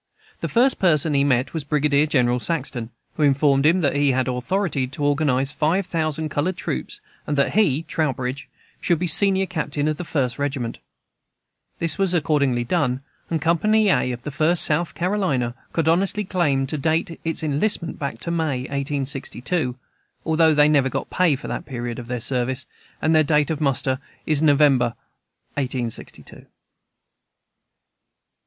The first person he met was Brigadier General Saxton, who informed him that he had authority to organize five thousand colored troops, and that he (Trowbridge) should be senior captain of the first regiment This was accordingly done; and Company A of the First South Carolina could honestly claim to date its enlistment back to May, 1862, although they never got pay for that period of their service, and their date of muster was November, IS, 1862.